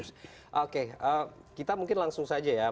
oke kita mungkin langsung saja ya mencermati apa yang berlaku di studio pranyus